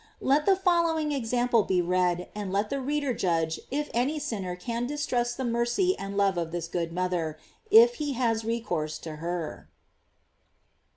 Let the following example be read, and let the reader judge if any sinner can distrust the mercy and love of this good mother, if he has recourse to her.